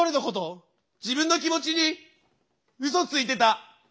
自分の気持ちにうそついてた！